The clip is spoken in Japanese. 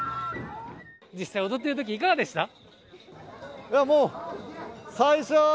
実際踊ってるときいかがでしたか。